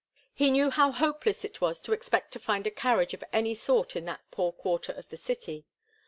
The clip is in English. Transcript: He knew how hopeless it was to expect to find a carriage of any sort in that poor quarter of the city.